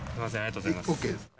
ＯＫです。